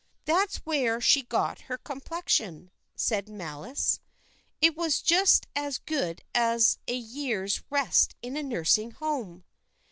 "That's where she got her complexion," said Malice. "It was just as good as a year's rest in a nursing home."